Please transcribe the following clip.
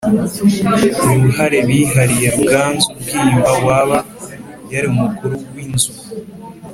uruhare bihariye Ruganzu Bwimba waba yari umukuru w inzu